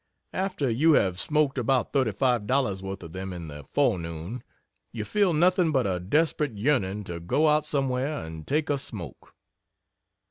After you have smoked about thirty five dollars' worth of them in the forenoon, you feel nothing but a desperate yearning to go out somewhere and take a smoke."